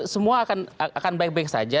semua akan baik baik saja